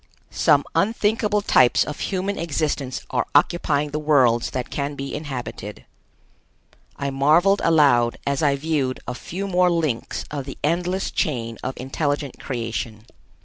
Some unthinkable types of human existence are occupying the worlds that can be inhabited. I marveled aloud as I viewed a few more links of the endless chain of intelligent creation.